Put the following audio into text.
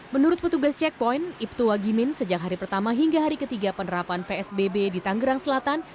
menurut petugas checkpoint ibtu wagimin sejak hari pertama hingga hari ketiga penerapan psbb di tanggerang selatan